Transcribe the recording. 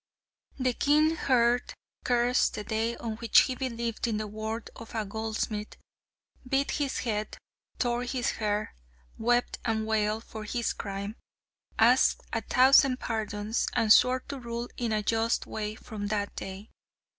The king heard, cursed the day on which he believed in the word of a goldsmith, beat his head, tore his hair, wept and wailed for his crime, asked a thousand pardons, and swore to rule in a just way from that day.